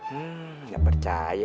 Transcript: hmm gak percaya